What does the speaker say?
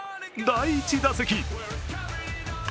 第１打席。